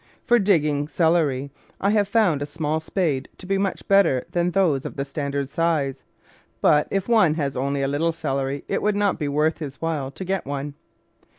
For digging celery, I have found a small spade to be much better than those of the standard size, but if one has only a little celery it would not be worth his while to get one.